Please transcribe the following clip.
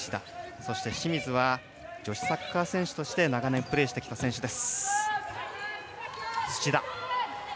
そして、清水は女子サッカー選手として長年プレーしてきた選手です。